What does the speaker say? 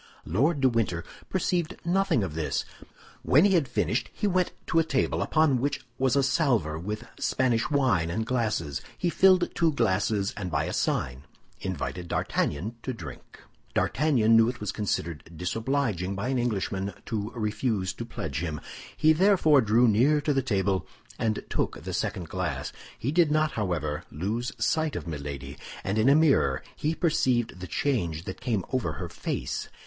Lord de Winter perceived nothing of this. When he had finished, he went to a table upon which was a salver with Spanish wine and glasses. He filled two glasses, and by a sign invited D'Artagnan to drink. D'Artagnan knew it was considered disobliging by an Englishman to refuse to pledge him. He therefore drew near to the table and took the second glass. He did not, however, lose sight of Milady, and in a mirror he perceived the change that came over her face.